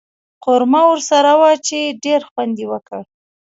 قورمه ورسره وه چې ډېر خوند یې وکړ.